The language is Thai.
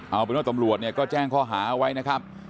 เอาเป็นว่าตำรวจเนี่ยก็แจ้งข้อหาเอาไว้นะครับ